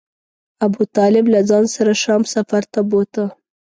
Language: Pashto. ابو طالب له ځان سره شام سفر ته بوته.